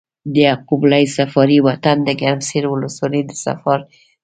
د يعقوب ليث صفاري وطن د ګرمسېر ولسوالي د صفار سيمه ده۔